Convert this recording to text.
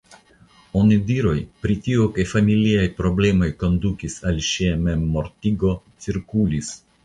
Onidiroj pri tio ke familiaj problemoj kondukis al ŝia memmortigo cirkulis.